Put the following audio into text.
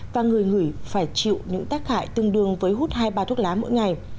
và người gửi phải chịu những tác hại tương đương với hút hai ba thuốc lá mỗi ngày